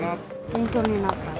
勉強になった。